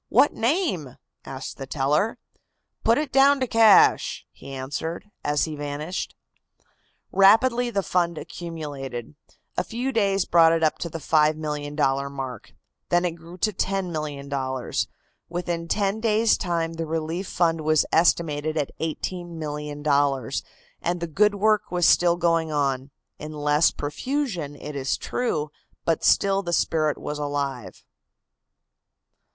"What name?" asked the teller. "Put it down to 'cash,'" he answered, as he vanished. Rapidly the fund accumulated. A few days brought it up to the $5,000,000 mark. Then it grew to $10,000,000. Within ten days' time the relief fund was estimated at $18,000,000, and the good work was still going on in less profusion, it is true, but still the spirit was alive.